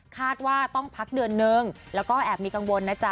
คาดว่าต้องพักเดือนนึงแล้วก็แอบมีกังวลนะจ๊